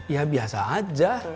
ya biasa aja